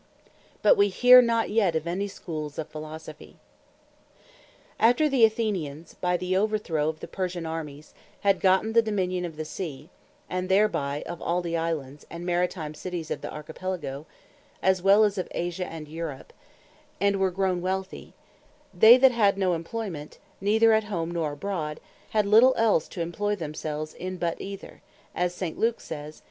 But we hear not yet of any Schools of Philosophy. Of The Schools Of Philosophy Amongst The Athenians After the Athenians by the overthrow of the Persian Armies, had gotten the Dominion of the Sea; and thereby, of all the Islands, and Maritime Cities of the Archipelago, as well of Asia as Europe; and were grown wealthy; they that had no employment, neither at home, nor abroad, had little else to employ themselves in, but either (as St. Luke says, Acts 17.21.)